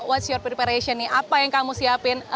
what's your preparation nih apa yang kamu siapin